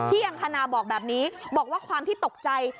อังคณาบอกแบบนี้บอกว่าความที่ตกใจ